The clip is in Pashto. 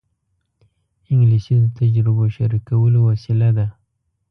انګلیسي د تجربو شریکولو وسیله ده